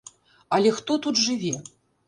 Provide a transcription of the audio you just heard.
Але хто тут жыве?